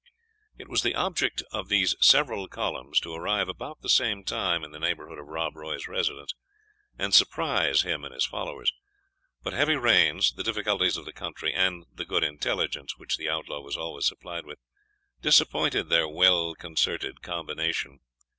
It was the object of these several columns to arrive about the same time in the neighbourhood of Rob Roy's residence, and surprise him and his followers. But heavy rains, the difficulties of the country, and the good intelligence which the Outlaw was always supplied with, disappointed their well concerted combination.